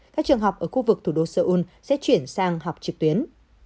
các trường học ở khu vực thủ đô seoul sẽ chuyển sang học trực tuyến